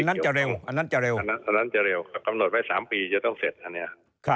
อันนั้นจะเร็วอันนั้นจะเร็วคำนวจไว้๓ปีจะต้องเสร็จอันนี้